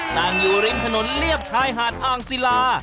ตั้งอยู่ริมถนนเรียบชายหาดอ่างศิลา